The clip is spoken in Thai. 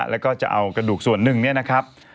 แล้วก็จะเอากระดูกส่วนหนึ่งเนี่ยนะครับ